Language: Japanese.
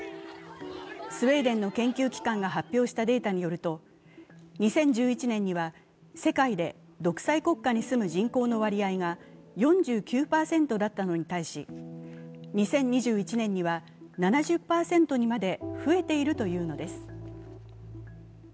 スウェーデンの研究機関が発表したデータによると２０１１年には世界で独裁国家に住む人口の割合が４９％だったのに対し２０２１年には７０％にまで増えているというのです。